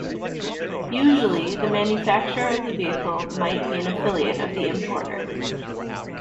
Usually, the manufacturer of the vehicle might be an affiliate of the importer.